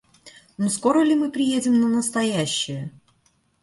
Ну, скоро ли мы приедем на настоящее?